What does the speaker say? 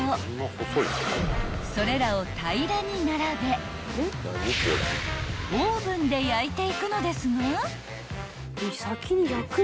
［それらを平らに並べオーブンで焼いていくのですが］